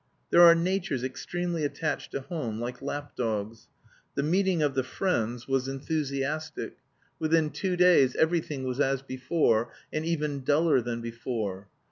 There are natures extremely attached to home like lap dogs. The meeting of the friends was enthusiastic. Within two days everything was as before and even duller than before.